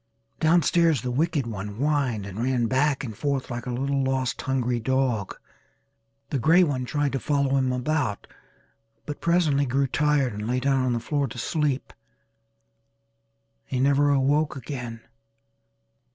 Down stairs the wicked one whined and ran back and forth like a little lost hungry dog. The grey one tried to follow him about but presently grew tired and lay down on the floor to sleep. He never awoke again.